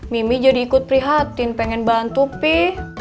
mimih ikut prihatin pengen bantu pie